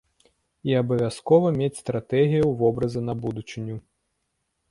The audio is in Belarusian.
І абавязкова мець стратэгію вобраза на будучыню.